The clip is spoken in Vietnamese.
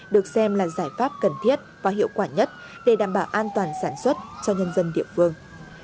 được xem là giải pháp cần thiết và hiệu quả nhất để đảm bảo an toàn sản xuất cho nhân dân địa phương